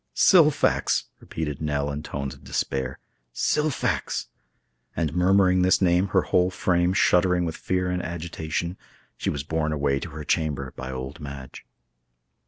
"Silfax!" repeated Nell in tones of despair, "Silfax!"—and, murmuring this name, her whole frame shuddering with fear and agitation, she was borne away to her chamber by old Madge.